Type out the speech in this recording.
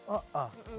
oh oh betul